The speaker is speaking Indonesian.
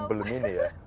belum ini ya